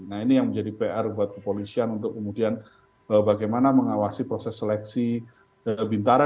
nah ini yang menjadi pr buat kepolisian untuk kemudian bagaimana mengawasi proses seleksi bintara